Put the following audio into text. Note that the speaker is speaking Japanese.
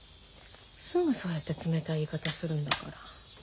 すぐそうやって冷たい言い方するんだから。